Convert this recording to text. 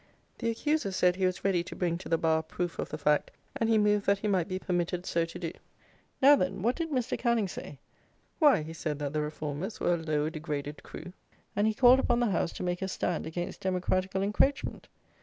The accuser said he was ready to bring to the bar proof of the fact; and he moved that he might be permitted so to do. Now, then, what did Mr. Canning say? Why, he said that the reformers were a low degraded crew, and he called upon the House to make a stand against democratical encroachment?